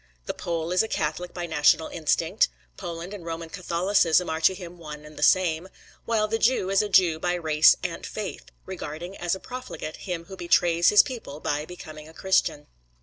The Pole is a Catholic by national instinct; Poland and Roman Catholicism are to him one and the same; while the Jew is a Jew by race and faith, regarding as a profligate, him who betrays his people by becoming a Christian.